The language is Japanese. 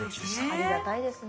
ありがたいですね。